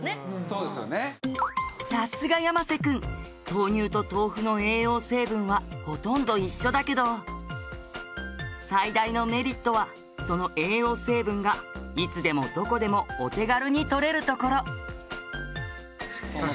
豆乳と豆腐の栄養成分はほとんど一緒だけど最大のメリットはその栄養成分がいつでもどこでもお手軽にとれるところ！